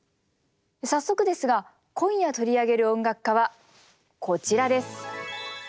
早速ですが今夜取り上げる音楽家はこちらです。